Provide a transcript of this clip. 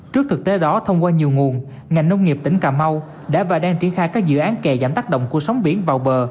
trước thực tế đó thông qua nhiều nguồn ngành nông nghiệp tỉnh cà mau đã và đang triển khai các dự án kè giảm tác động của sóng biển vào bờ